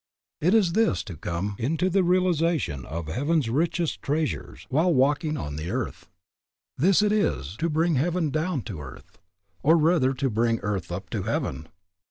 This it is to come into the realization of heaven's richest treasures while walking the earth. This it is to bring heaven down to earth, or rather to bring earth up to heaven.